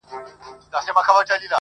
ځيني خلک غوسه دي او ځيني خاموش ولاړ دي,